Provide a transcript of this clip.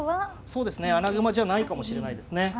そうですね穴熊じゃないかもしれないですね。